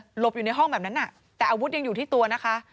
หลบอยู่ในห้องแบบนั้นแต่อาวุธยังอยู่ที่ตัวนะคะ